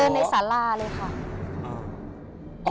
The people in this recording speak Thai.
เดินในสาระเลยค่ะ